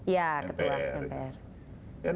ya ketua mpr